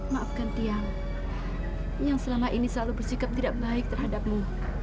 maafkan tiang yang selama ini selalu bersikap tidak baik terhadapmu